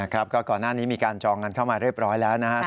ก็ก่อนหน้านี้มีการจองกันเข้ามาเรียบร้อยแล้วนะครับ